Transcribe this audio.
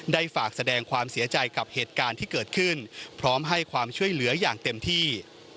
ได้ฝากแสดงความเสียใจกับเหตุการณ์ที่เกิดขึ้นพร้อมให้ความช่วยเหลืออย่างเต็มที่